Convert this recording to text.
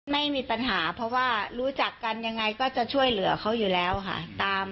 ไม่มีปัญหาเพราะว่ารู้จักกันยังไงก็จะช่วยเหลือเขาอยู่แล้วค่ะ